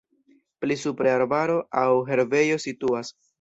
Pli supre arbaro aŭ herbejo situas.